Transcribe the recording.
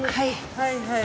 はいはい。